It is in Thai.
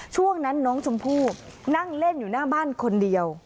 ช่วงนั้นน้องชมพู่นั่งเล่นอยู่หน้าบ้านคนเดียว